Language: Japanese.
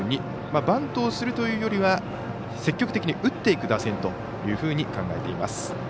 バントをするというよりは積極的に打っていく打線というふうに考えています。